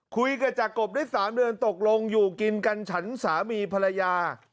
คุยกับจากกบได้๓เดือนตกลงอยู่กินกันฉันสามีภรรยา